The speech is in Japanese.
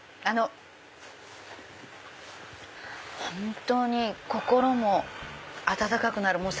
本当に心も温かくなる。